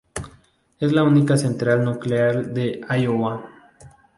Es la única central nuclear de Iowa.